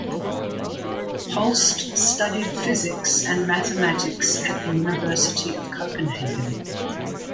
Holst studied physics and mathematics at the University of Copenhagen.